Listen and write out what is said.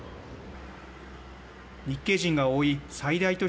日系人が多い最大都市